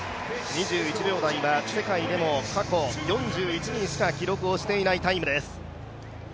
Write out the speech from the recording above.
２１秒台は世界でも過去４１人しか記録をしていないタイムです。